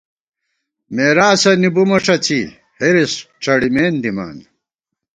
مېراثنی بُمہ ݭڅی ، حِرِص ڄَڑِمېن دِمان